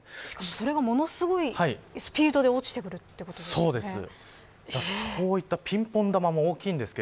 それがものすごいスピードで落ちてくるということですよね。